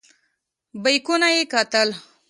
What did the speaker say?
بیکونه یې کتل.